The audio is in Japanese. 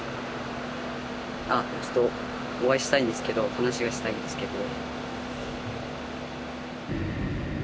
あっちょっとお会いしたいんですけど話がしたいんですけど。